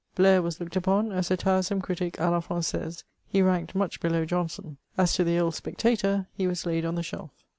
Blair was looked upon as a tiresome critic a laFrangaise; he ranked much below Johnson. As to the old Spectator, he was laid on the shelf.